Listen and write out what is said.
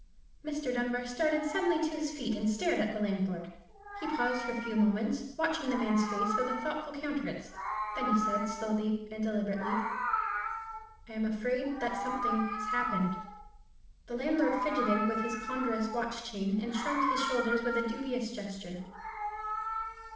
Mr. Dunbar started suddenly to his feet, and stared at the landlord. He paused for a few moments, watching the man's face with a thoughtful countenance. Then he said, slowly and deliberately,— "I am afraid that something has happened." The landlord fidgeted with his ponderous watch chain, and shrugged his shoulders with a dubious gesture.